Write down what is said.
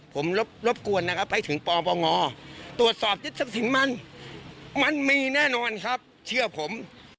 ผมรบกวนนะครับไปถึงปปงตัวสอบยังไงมันมีแน่นอนครับเชื่อผม